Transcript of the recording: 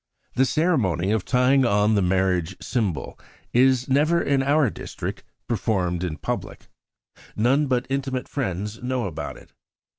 "The ceremony of tying on the marriage symbol is never in our district performed in public. None but intimate friends know about it.